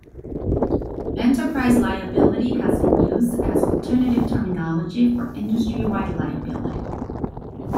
Enterprise Liability has been used as alternative terminology for Industry-Wide Liability.